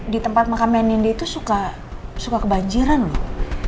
di tempat makam nindi itu suka kebanjiran loh